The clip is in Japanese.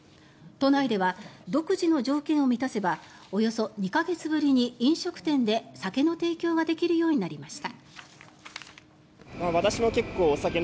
都内では独自の条件を満たせばおよそ２か月ぶりに飲食店で酒の提供ができるようになりました。